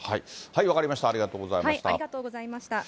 分かりました、ありがとうございました。